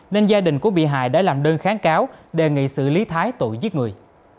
nên gia đình của bị hại đã làm đơn kháng cáo đề nghị xử lý thái tội giết người